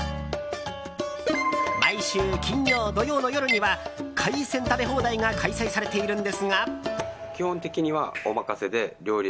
毎週金曜、土曜の夜には海鮮食べ放題が開催されているんですが。